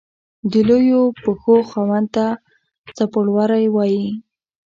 د لويو پښو خاوند ته څپړورے وائي۔